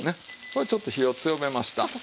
これちょっと火を強めました。